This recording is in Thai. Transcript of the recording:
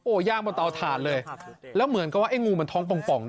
โอ้ย่างบนเตาถาดเลยแล้วเหมือนกับไอ้งูมันท้องปองด้วย